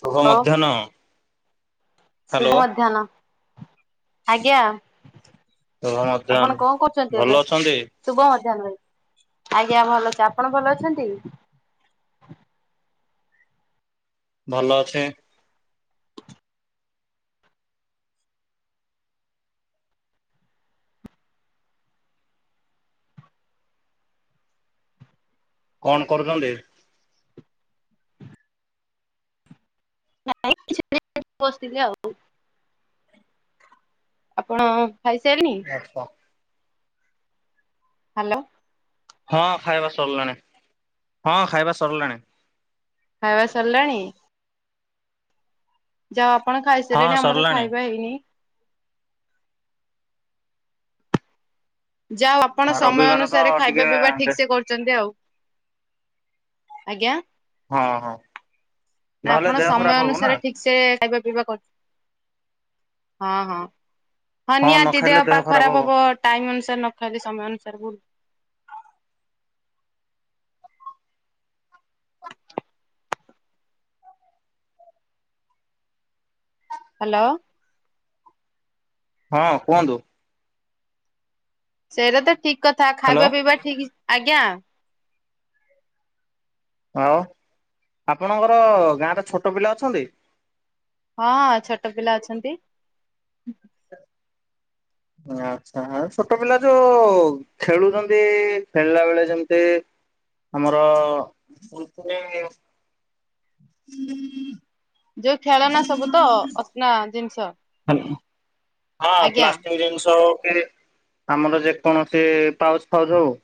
ଶୁଭ ହ୍ୟାଲୋ ମଧ୍ୟାହ୍ନ। ହ୍ୟାଲୋ ଶୁଭ ମଧ୍ୟାହ୍ନ ଆଜ୍ଞା। ଶୁଭ ମଧ୍ୟାହ୍ନ। ଆପଣ କଣ କରୁଛନ୍ତି ଭଲ ଏବେ? ଅଛନ୍ତି ଶୁଭ ମଧ୍ୟାହ୍ନ ଭାଇ। ଆଜ୍ଞା ଭଲ ଅଛି। ଆପଣ ଭଲ ଅଛନ୍ତି? ଭଲ ଅଛେ। କଣ କରୁଛନ୍ତି। ନାଇଁ [inaudible] ବସି ଥିଲେ ଆଉ। ଆପଣ ଖାଇସାଇନି। ହ୍ୟାଲୋ। ହଁ ଖାଇବା ସରିଲାଣି ହଁ ଖାଇବା ସରିଲାଣି। ଖାଇବା ସରିଲାଣି। ଯାହା ଆପଣ ହଁ ଖାଇସାରିଲେଣି ଆମର ସରିଲାଣି। ଖାଇବା ହେଇନି। ଯା ଆପଣ ସମୟ ରବିବାର ତ ଅନୁସାରେ ଟିକେ ଖାଇବା ପିଇବା ଦେ ଠିକ ସେ କରୁଛନ୍ତି ଆଉ। ଆଜ୍ଞା। ହଁ ହଁ। ନା ନହେଲେ ଆପଣ ଦେହ ସମୟ ଖରାପ ହବ ନା ଅନୁସାରେ ଠିକସେ ଖାଇବା ପିଇବା କର ହଁ ହଁ। ହଁ ନିଆତି ଦିହ ପା ଖରାପ ହବ ଟାଇମ ଅନୁସାରେ ନ ଖାଇଲେ ସମୟ ଅନୁସାରେ ଭୁଲ। ହ୍ୟାଲୋ। ହଁ କୁହନ୍ତୁ। ସେଇଟା ତ ଠିକ କଥା ହ୍ୟାଲୋ ଖାଇବା ପିଇବା ଠିକ୍ ଆଜ୍ଞା। ହଉ ଆପଣଙ୍କର ଗାଁରେ ଛୋଟ ପିଲା ଅଛନ୍ତି। ହଁ ଛୋଟ ପିଲା ଅଛନ୍ତି। ଆଚ୍ଛା ଛୋଟ ପିଲା ଯୋଉ ଖେଳୁଛନ୍ତି ଖେଳିଲା ବେଳେ ଯେମିତି ଆମର ଯୋଉ ଖେଳନା ସବୁ ତ ଅସ୍ନା ଜିନିଷ। ହାଲୋ ହଁ ଆଜ୍ଞା। ପ୍ଲାଷ୍ଟିକ ଜିନିଷ ହୋଉ। ଆମର ଯେକୌଣସି ପାଉଚ ଫାଉଜ ହଉ।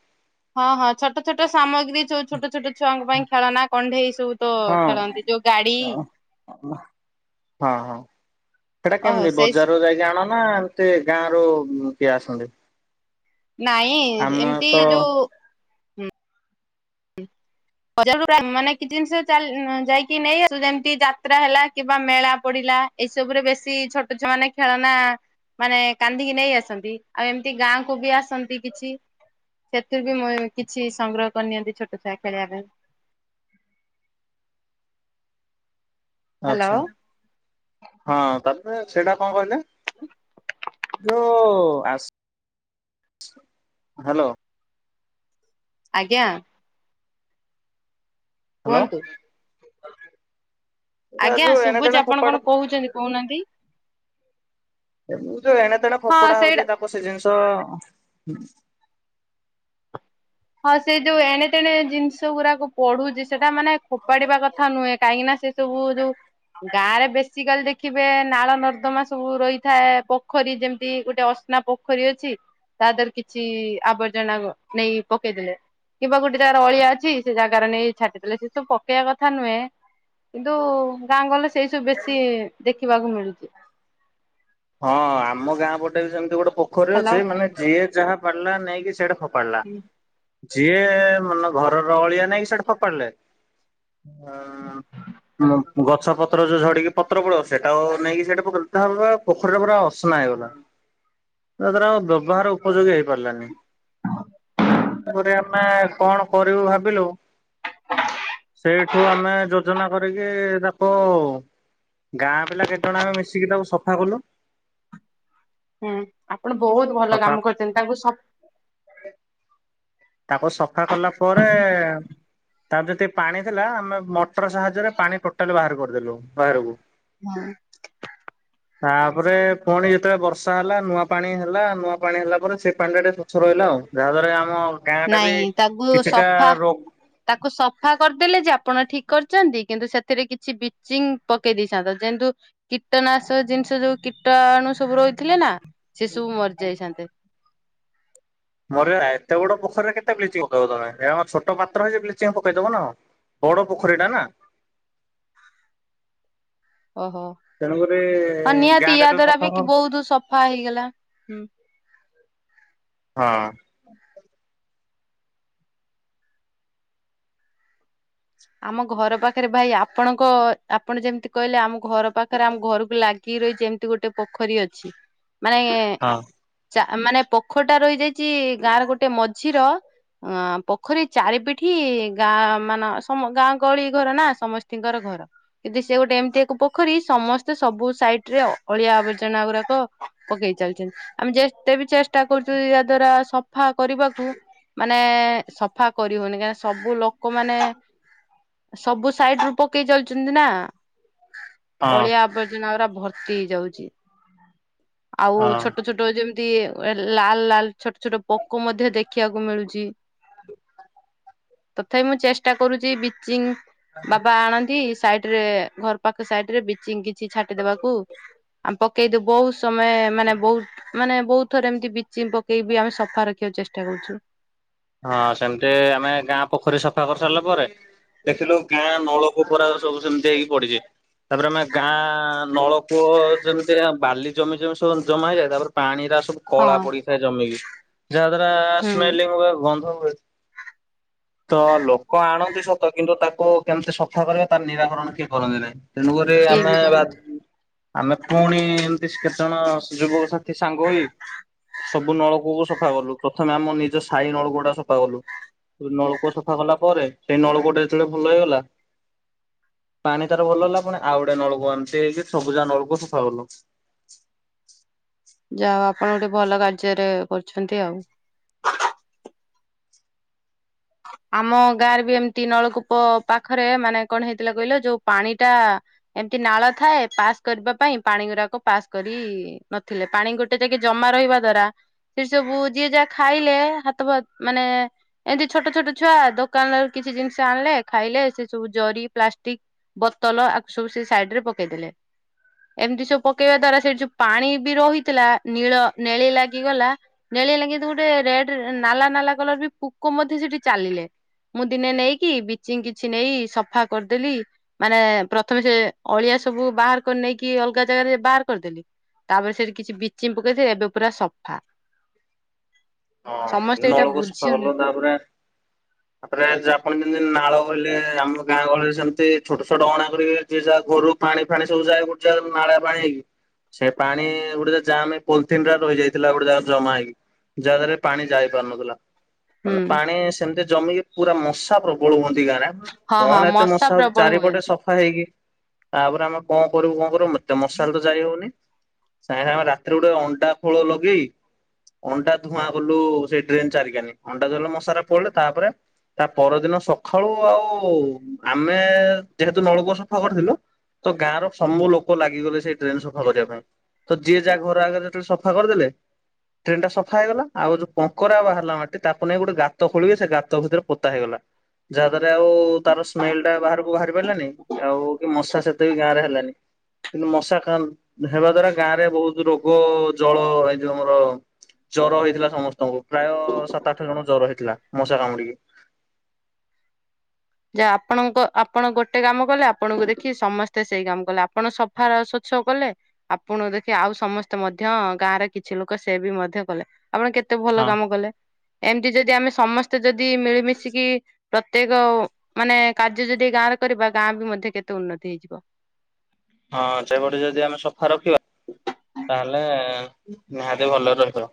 ହଁ ହଁ ଛୋଟ ଛୋଟ ସାମଗ୍ରୀ ଚୋଉ ଛୋଟ ଛୋଟ ଛୁଆଙ୍କ ପାଇଁ ଖେଳନା କଣ୍ଢେଇ ସବୁ ତ ହଁ ଖେଳନ୍ତି ଯୋଉ ଗାଡି। ଅ ହଁ ହଁ। ସେଟା ଓହୋ କେମିତି ସେଇ ବଜାରରୁ ଯାଇକି ଆଣ ନା ଏ ସେ ଗାଁ ର କିଏ ଆସନ୍ତି। ନାଇଁ ଆମେ ତ ଏମିତି ଯୋଉ। ବଜାରରୁ ପ୍ରାୟ ମାନେ କିଛି ଜିନିଷ ଚା ଯାଇକି ନେଇ ଯେମତି ଯାତ୍ରା ହେଲା କିବା ମେଳା ପଡି ଏଇସବୁ ରେ ବେଶୀ ଛୋଟ ଛୁ ମାନେ ଖେଳନା ମାନେ କାନ୍ଦିକି ନେଇ ଆସନ୍ତି ଆଉ ଏମିତି ଗାଁକୁ ବି ଆସନ୍ତି କିଛି। ସେଥିରୁ ବି ମୁଁ କିଛି ସଂଗ୍ରହ କରିନିଅନ୍ତି ଛୋଟ ଛୁଆ ଖେଳିବା ପାଇଁ। ହ୍ୟାଲୋ ଆଛା ହଁ ତାପରେ ସେଇଟା କଣ କହିଲେ ଯୋଉ। ଆସ ହ୍ୟାଲୋ। ଆଜ୍ଞା। ହ୍ୟାଲୋ କୁହନ୍ତୁ। ଏ ଆଜ୍ଞା ଯୋଉ ଏଣେ ତେଣେ ସୁଭୁଚି ଆପଣ ଫୋପାଡ କଣ କହୁଛନ୍ତି କହୁନାହାନ୍ତି। ଏମ ଯୋଉ ଏଣେ ତେଣେ ହଁ ଫୋପୋଡା ସେଇଟା ହଉଛି ତାକୁ ସେ ଜିନିଷ ହୁଁ। ହଁ ସେ ଯୋଉ ଏଣେ ତେଣେ ଜିନିଷ ଗୁଡାକୁ ପଢୁଛି ସେଟାମାନେ ଫୋପାଡ଼ିବା କଥା ନୁହେଁ କାହିଁକି ନା ସେ ସବୁ ଯୋଉ ଗାଁ ରେ ବେଶୀ କାଲି ଦେଖିବେ ନାଳ ନର୍ଦ୍ଦମା ସବୁ ରହିଥାଏ ପୋଖରୀ ଯେମ ଗୋଟେ ଅସ୍ନା ପୋଖରୀ ଅଛି ତା ଦେହରେ କିଛି ଆବର୍ଜନା ନେଇ ପକେଇଥିଲେ କିମ୍ବା ଗୋଟେ ଜାଗାରେ ଅଳିଆ ଅଛି ସେ ଜାଗାରେ ନେଇ ଛାଟିଥିଲେ ସେ ସବୁ ପକେଇବା କଥା ନୁହେଁ। କିନ୍ତୁ ଗାଁ ଗହଳିରେ ସେଇସବୁ ବେଶୀ ଦେଖିବାକୁ ମିଳୁଛି। ହଁ ଆମ ଗାଁ ପଟେ ବି ସେମିତି ଗୋଟେ ପୋଖରୀ ହ୍ୟାଲୋ ଅଛି ମାନେ ଯିଏ ଯାହା ପରିଲା ନେଇକି ସେଇଠେ ଫୋପାଡିଲା। ଯିଏ ମାନେ ଘରର ଅଳିଆ ନେଇକି ସେଠି ଫୋପାଡିଲେ ହ ଗଛପତ୍ର ପତ୍ର ଝଡିକି ପତ୍ର ପଡିବ ସେଟା ନେଇକି ସେଇଠେ ପକେଇଲେ [unintelligible] ପୋଖରୀଟା ପୁରା ଅସନା ହେଇଗଲା ଯଦ୍ୱାରା ଆଉ ବ୍ୟବହାର ଉପଯୋଗୀ ହେଇପାରିଲାନି ତେଣୁକରି ଆମେ କଣ କରିବୁ ଭାବିଲୁ ସେଇଠୁ ଆମେ ଯୋଜନା କରିକି ତାକୁ ଗାଁ ପିଲା କେତେଜଣ ଆମେ ମିଶିକି ତାକୁ ସଫା କଲୁ ହୁଁ ଆପଣ ବହୁତ ଭଲ ସଫା କାମ କରିୁଛନ୍ତି ତାଙ୍କୁ ସ ତାକୁ ସଫା କଲା ପରେ ତାର ଯେତିକି ପାଣି ଥିଲା ଆମେ ମଟର ସାହାଯ୍ୟରେ ପାଣି ଟୋଟାଲି ବାହାର କରିଦେଲୁ ବାହାରକୁ। ହଁ ତାପରେ ପୁଣି ଯେତେବେଳେ ବର୍ଷା ହେଲା ନୂଆ ପାଣି ହେଲା ନୂଆ ପାଣି ହେଲା ପରେ ସେ ପାଣିଟା ଟିକେ ସ୍ଵଛ ରହିଲା। ଯାହା ଦ୍ୱାରା ଏ ଆମ ଗାଁ ଟା ବି ନାଇଁ ତାକୁ କିଛିଟା ସଫା ରୋ ତାକୁ ସଫା କରିଦେଲେ ଯାପ ଆପଣ ଠିକ କରିଛନ୍ତି କିନ୍ତୁ ସେଥିରେ କିଛି ବିଚିଂ ପକେଇ ଦେଇଥାନ୍ତ ଜେନ୍ତୁ କୀଟନାଶ ଯେନ୍ତୁ ସେ ଯୋଉ କୀଟଣୁ ସବୁ ରହିଥିଲେ ନା ସେ ସବୁ ମରିଯାଇଥାନ୍ତେ। ମୋର ଏତେ ବଡ ପୋଖୀରେ କେତେ ବ୍ଲିଚିଂ ପକେଇବ ତମେ ଏଇଟା ଛୋଟ ପାତ୍ର ହେଇଚି ବ୍ଲିଚିଂ ପକେଇଦବ ନା କଣ। ବଡ ପୋଖରୀଟା ନା ଓହୋ ତେଣୁକରି ହଁ ନିହାତି ଗାଁ ଟା ଯେତେବେଳେ ୟାଦ୍ଵାରା ସଫା ବି ହଁ ବହୁତ ସଫା ହେଇଗଲା। ହଁ ଆମ ଘର ପାଖରେ ଭାଇ ଆପଣଙ୍କ ଆପଣ ଯେମିତି କହିଲେ ଆମ ଘର ପାଖରେ ଆମ ଘରକୁ ଲାଗି ରହିଛି ଏମତି ଗୋଟେ ପୋଖରୀ ଅଛି ମାନେ ମାନେ ପୋଖରୀଟା ରହିଯାଇଛି ଗାଁର ଗୋଟେ ମଝିର ଅଁ ପୋଖରୀ ଚାରି ପିଠି ଗାଁ ମାନ ତମ ଗାଁ ଗହଳି ଘର ନା ସମସ୍ତିଙ୍କର ଘର କିନ୍ତୁ ସେ ଗୋଟେ ଏମିତି ଏକ ପୋଖରୀ ସମସ୍ତେ ସବୁ ସା ସାଇଟର ଅଳିଆ ଆବର୍ଜନା ଗୁରାକ ପକେଇ ଚାଲିଛନ୍ତି ଆମେ ଯେତେ ବି ଚେଷ୍ଟା ଷ୍ଟା କରୁଚୁଯେ ଯାଦ୍ଵାରା ସଫା କରିବାକୁ ମାନେ ସଫା କର କରି ହଉନି କାହିଁକି ସବୁ ଲୋକମାନେ ସବୁ ସାଇଡ ରୁ ପକେଇ ଚାଲିଛନ୍ତି ନା ହଁ ଅଳିଆ ଆବର୍ଜନା ଭର୍ତ୍ତି ହେଇ ଯାଉଛି ଆଉ ହଁ। ଛୋଟ ଛୋଟ ଯେମି ଲାଲ ଲାଲ ଛୋଟ ଛୋଟ ପୋକ ମଧ୍ୟ ଦେଖିବାକୁ ମିଳୁଛି। ତଥାପି ମୁଁ ଚେଷ୍ଟା କରୁଛି ବିଚିଂ ବାବା ଆଣନ୍ତି। ସାଇଡ ରେ ଘର ପାଖ ସାଇଡ ରେ ବିଚିଙ୍ଗ କିଛି ଛାଟିଦେବାକୁ ଆମେ ପକେଇଦବହୁ ସମୟ ମାନେ ବହୁତ ମାନେ ବହୁତ ଥରେ ଏମିତି ବିଚି ପକେଇବି ଆମେ ସଫା ରଖ ଦେଖିବାକୁ ଚେଷ୍ଟା କରୁଛୁ। ହଁ ସେମିତି ଆମେ ଗାଁ ପୋଖରୀ ସଫା କରି ସାରିଲା ପରେ ଦେଖିଲୁ ଗାଁ ନଳକୂପରା ସବୁ ସେମିତି ହେଇକି ପଡିଛି ତାପରେ ଆମେ ଗାଁ ନଳକୂଅ ଯେମିତି ବାଲି ଜମି ଜମି ସବୁ ଜମା ହେଇଯାଏ ତାପରେ ପାଣିରା ସବୁ କଳା ହଁ। ପଡିଥାଏ ଜମିିକି ଯାହା ଦ୍ଵାରା ହୁଁ ସ୍ମେଲିଙ୍ଗ ହୁଏ ଗନ୍ଧ ହୁଏ। [inaudible] ତ ଲୋକ ଆଣନ୍ତି ସତ କିନ୍ତୁ ତାକୁ କେମିତି ସଫା କରିବା ତାର ନିରାକରଣ କିଏ କରନ୍ତି ନାହିଁ। ତେଣୁକରି କେହି ଆମେ ବି ବା କରୁନାହାନ୍ତି ଆମେ ପୁଣି ଏମତି କେତେଜଣ ଯୁବକ ସାଥିୀ ସାଙ୍ଗ ହୋଇ ସବୁ ନଳକୂଅ କୁ ସଫା କଲୁ, ପ୍ରଥମେ ଆମ ନିଜ ସାହି ନଳକୂ କୂଅଟାକୁ ସଫା କଲୁ, ନଳକୂଅ ସଫା କଲା ପରେ, ସେଇ ନଳକୂଅଟା ଯେତେବେଳେ ଭଲ ହେଇଗଲା ପାଣି ତାର ଭଲ ହେଲା, ପୁଣି ଆଉ ଗୋଡେ ନଳକୂଅ ଏମିତି ହେଇକି ସବୁଜାକ ନଳକୂଅ ସଫା କଲୁ। [inaudible] ଯାହା ହଉ ଆପଣ ଗୋଟେ ଭଲ କାର୍ଯ୍ୟରେ, କରୁଛନ୍ତି ଆଉ। [inaudible] ଆମ ଗାଁ ରେ ବି ଏମିତି ନଳକୂପ ପାଖରେ ମାନେ କଣ ହେଇଥିଲା କହିଲ ଯୋଉ ପାଣି ଟା ଏମତି ନାଳ ଥାଏ ପାସ୍ କରିବା ପାଇଁ, ପାଣି ଗୁଡାକ ପାସ୍ କରି ନଥିଲେ, ପାଣି ଗୋଟେ ଯାଇକେ ଜମା ରହିବ ଦ୍ଵାରା ସେ ସବୁ ଯିଏ ଯାହା ଖାଇଲେ ହାତା ଫାତ ମାନେ ଏମତି ଛୋଟ ଛୋଟ ଛୁଆ, ଦୋକାନରେ କିଛି ଜିନିଷ ଆଣିଲେ, ଖାଇଲେ ସେ ସବୁ ଜରି ପ୍ଲାଷ୍ଟିକ ବୋତଲ ଆ ସବୁ ସେ ସାଇଡ ରେ ପକେଇଦେଲେ। ଏମିତି ସବୁ ପକେଇବା ଦ୍ଵାରା, ସେଠି ଯୋଉ ପାଣି ବି ରହିଥିଲା, ନୀଳ ନେଳି ଲାଗିଗଲା। ଖେଳିଲ କିନ୍ତୁ ଗୋଟେ, ରେଡ ନାଲା ନାଲା କଲର ବି ପୋକ ମଧ୍ୟ ସେଠି ଚାଲିଲେ। ମୁଁ ଦିନେ ନେଇକି ବିଚିଂ କିଛି ନେଇ ସଫା କରିଦେଲି ମାନେ ପ୍ରଥମେ ସେ ଅଳିଆ ସବୁ ବାହାର କରି ନେଇକି ଅଲଗା ଜାଗାରେ ବାହାର କରିଦେଲି। ତାପରେ ସେଠି କିଛି ବିଚିଂ ପକେଇ ଏବେ ପୁରା ସଫା ହଁ ସମସ୍ତେ ଏଇଟା ନଳକୂଅ ସଫା ବୁଝୁନ କଲ, ତାପରେ [inaudible] ତାପରେ ଆପଣ ଯେମିତି ନାଳ ବୋଲି, ଆମ ଗାଁ ଗହଳିରେ ସେମିତି ଛୋଟ ଛୋଟ ଅଣା କରିବେ ଯିଏ ଯା ଘରୁ ସବୁ ପାଣି ଫାଣି ସବୁ ଯାଗାରେ ଗୋଟେ ଜାଗାରେ ନାଳିଆ ପାଣି ସେ ପାଣି ଗୋଟେ ଯାହା ପୋଲଥିନ ରେ ରହି ଯାଇଥିଲା ଗୋଟେ ଯାହା ଜମା ହେଇକି। ଯାହାଦ୍ୱାରା କି ପାଣି ଯାଇ ପାରୁନଥିଲା, ହୁଁ ପାଣି ସେମିତି ଜମିକି, ପୁରା ମଶା ପ୍ରବଳ ହୁଅନ୍ତି। ହଁ ହଁ କଣ ଏତେ ମଶା ହୋଉଚି, ପ୍ରବଳ ଚାରିପଟେ ହୁଅନ୍ତି। ସଫା ହେଇକି ତାପରେ ଆମେ କଣ କରିବୁ, କଣ କରିବୁ, ଏତେ ମସା ହେଲେ ତ ଯାଇ ହଉନି। ସାଙ୍ଗେ ସାଙ୍ଗେ ରାତିରେ ଗୋଟେ ଅଣ୍ଡା ଖୋଳ ଲଗେଇ ଅଣ୍ଡା ଧୂଆଁ କଲୁ, ସେଇ ଡ୍ରେନ୍ ଚାରିକାନି, ଅଣ୍ଡା ଜଳେଲୁ ମଶରା ପଳେଇଲେ, ତାପରେ ତା ପରଦିନ ସକାଳୁ ଆଉ ଆମେ ଯେହେତୁ ନଳକୂପ ସଫା କରିଥିଲୁ। ତ ଗାଁ ର ସବୁ ଲୋକ ଲାଗିଗଲେ ସେଇ ଟ୍ରେନ ସଫା କରିବା ପାଇଁ, ତ ଯିଏ ଯାହା ଘର ଆଗରେ ଯେତେବେଳେ ସଫା କରିଦେଲେ, [unintelligible] ଟା ସ କଥା ହେଇଗଲା, ଆଉ ଯୋଉ କଙ୍କରା ବାହାରିଲା ମାଟି, ତାକୁ ନେଇ ଗୋଟେ ଗାତ ଖୋଳିବେ, ସେ ଗାତ ଭିତରେ ପୋତା ହେଇଗଲା। ଯାହାଦ୍ଵାରା ଆଉ ତାର ସ୍ମେଲ ଟା ବାହାରକୁ ବାହାରି ପାରିଲାନି, ଆଉ କି ମଶା ସେତେ ବି ଗାଁ ରେ ହେଲାନି। ହ କିନ୍ତୁ ମଶା ହେବା ଦ୍ଵାରା ଗାଁ ରେ ବୋହୁତ ରୋଗ ଜଳ ଏଇ ଯୋଉ ଆମର ଜର ହେଇଥିଲା ସମସ୍ତଙ୍କୁ, ପ୍ରାୟ ସାତ, ଆଠ ଜଣକୁ ଜର ହେଇଥିଲା ମଶା କାମୁଡିକି। [inaudible] ଯାହା ଆପଣଙ୍କ ଆପଣ ଗୋଟେ କାମ କଲେ, ଆପଣଙ୍କୁ ଦେଖି ସମସ୍ତେ ସେଇ କାମ କଲେ ଆପଣ ସଫା ସୁ କଲେ ଆପଣ ଦେଖି ଆଉ ସମସ୍ତେ, ମଧ୍ୟ ଗାଁରେ କିଛି ଲୋକ ସେ ବି ମଧ୍ୟ କଲେ। ଆପଣ କେତେ ଭଲ ହଁ। କାମ କଲେ, ଏମିତି ଯଦି ଆମେ ସମସ୍ତେ ଯଦି ମିଳିମିଶିକି ପ୍ରତ୍ୟେକ ମାନେ କାର୍ଯ୍ୟ ଯଦି ଗାଁ ରେ କରିବା, ଗାଁ ବି ମଧ୍ୟ କେତେ ଉନ୍ନତି ହେଇଯି ହଁ ସେପଟେ ଯଦି ଆମେ ସଫା ରଖିବା, ତାହେଲେ ନିହାତି ଭଲରେ ରହିବ।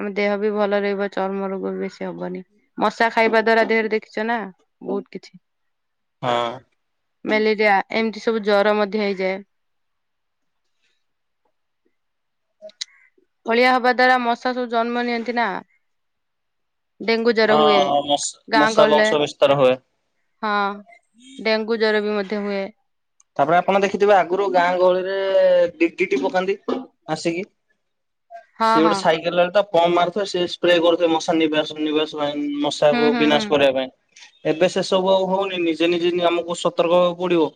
ଆମ ଦେହ ବି ଭଲ ରହିବ, ଚର୍ମ ରୋଗ ବି ବେଶୀ ହବନି, ମଶା ଖାଇବା ଦ୍ଵାରା ଦେହରେ ଦେଖିଛ ନା। ବହୁତ କିଛି। ହଁ ମ୍ୟାଲେରିଆ, ଏମିତି ସବୁ ଜର ମଧ୍ୟ ହେଇଯାଏ। [inaudible] ଅଳିଆ ହବା ଦ୍ଵାରା ମଶା ସବୁ ଜନ୍ମ ନିଅନ୍ତି ନା। ଡେଙ୍ଗୁ ଜର ହଁ ହୁଏ, ମଶା ଗାଁ ମଶା ଗହଳିରେ ବଂଶ ବିସ୍ତାର ହୁଏ। ହଁ ଡେଙ୍ଗୁ ଜର, ବିି ମଧ୍ୟ ହୁଏ। ତାପରେ ଆପଣ ଦେଖିଥିବେ, ଆଗରୁ ଗାଁ ଗହଳିରେ ଡି ଡି ଟି ପକାନ୍ତି ଆସିକି। ହଁ ସେ ଗୋଟେ ହଁ ସାଇକେଲ ଆଣି ପମ୍ପ ମାରିଥିବ ସେ ସ୍ପ୍ରେ କରୁଥିବ ମଶା ନିବାସ ନିବାସ ପାଇଁ। ମଶା ହୁଁ କୁ ହୁଁ ହୁଁ। ବିନାଶ କରିବା ପାଇଁ। ଏବେ ସେ ସବୁ ଆଉ ହଉନି ନିଜେ ନିଜେ ନି ଆମକୁ ସତର୍କ ହେବାକୁ ପଡିବ।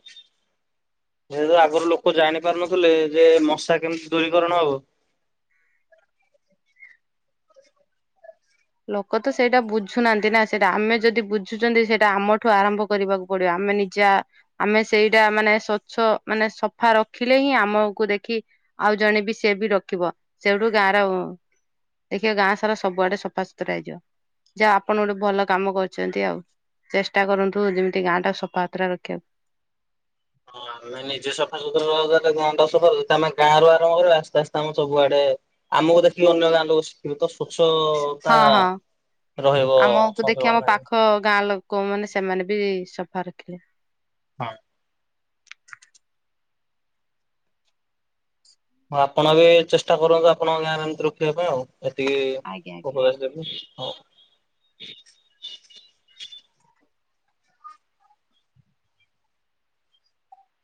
ଯେହେତୁ ଆଗରୁ ଲୋକ ଜାଣି ପାରୁନଥିଲେ ଯେ ମଶା କେମିତି ଦୂରୀକରଣ ହବ। ଲୋକ ତ ସେଇଟା ବୁଝୁନାହାନ୍ତି ନା ସେଇଟା ଆମେ ଯଦି ବୁଝୁଛନ୍ତି ସେଇଟା ଆମଠୁ ଆରମ୍ଭ କରିବାକୁ ପଡିବ ଆମେ ଆମେ ନିଜା ଆମେ ସେଇଟା ମାନେ ସ୍ଵଚ୍ଛ ମାନେ ସଫା ରଖିଲେ ହିଁ ଆମକୁ ଦେଖି ଆଉ ଜଣେ ବି ସିଏ ବି ରଖିବ, ସେଇଠୁ ଗାଁ ର ଟିକେ ଗାଁ ସାରା ସବୁଆଡେ ସଫାସ ରା ହେଇଯିବ, ଯାହା ଆପଣ ଗୋଟେ ଭଲ କାମ କରୁଛନ୍ତି ଆଉ। ଚେଷ୍ଟା କରନ୍ତୁ ଯେମିତି ଗାଁ ଟା ସଫା ସୁତୁରା ରଖିବାକୁ। ହଁ ଆମେ ନିଜେ ସଫାସୁତୁରା ରହନ୍ତେ ଗାଁଟା ସଫା ରହନ୍ତା, ଆମେ ଗାଁରୁ ଆରମ୍ଭ କରି ଆସ୍ତେ ଆସ୍ତେ ଆମ ସବୁଆଡେ ଆମକୁ ଦେଖିକି ଅନ୍ୟ ଗାଁ ଲୋକ ଶିଖିବେ ତ। ସ୍ଵଚ୍ଛତା ହଁ ହଁ ରହିବ ସନ୍ତୁଳନରେ। କୋଉ ମାନେ ସେମାନେ ବି ସଫା ରଖିଲେ ହଁ। ହଁ ଆପଣ ବି ଚେଷ୍ଟା କରନ୍ତୁ ଆପଣଙ୍କ ଗାଁ ର ଏମିତି ରଖିବା ପାଇଁ ଆଉ। ଏତିକି ଆଜ୍ଞା ଆଜ୍ଞା ଉପଦେଶ ଦେବି ହଁ।